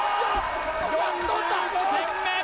４５点目！